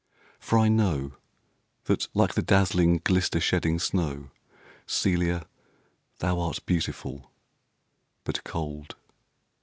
for I know That, like the dazzling, glister shedding snow, Celia, thou art beautiful, but cold.